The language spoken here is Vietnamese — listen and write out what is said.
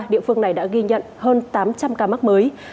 địa phương này đã ghi nhận hơn tám trăm linh ca mắc mới